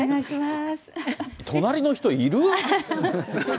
隣の人いる？